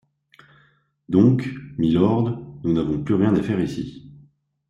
Donc, mylord, nous n’avons plus rien à faire ici.